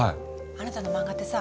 あなたの漫画ってさ